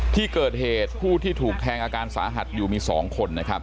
ที่เกิดเหตุผู้ที่ถูกแทงอาการสาหัสอยู่มี๒คนนะครับ